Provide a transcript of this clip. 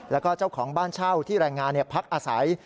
แล้วก็เจ้าของบ้านเช่าที่แรงงานพักอาศัย